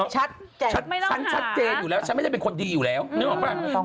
ชัดเจนฉันชัดเจนอยู่แล้วฉันไม่ได้เป็นคนดีอยู่แล้วนึกออกป่ะ